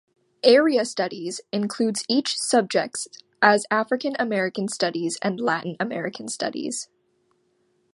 "Area studies" includes such subjects as African American studies and Latin American studies.